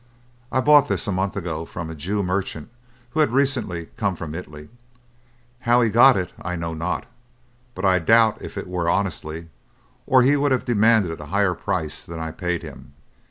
"I bought this a month ago from a Jew merchant who had recently come from Italy. How he got it I know not, but I doubt if it were honestly, or he would have demanded a higher price than I paid him.